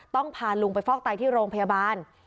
พาลุงไปฟอกไตที่โรงพยาบาล